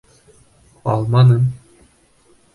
Алманым.